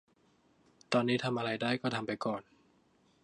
ตอนนี้ทำอะไรได้ก็ทำไปก่อน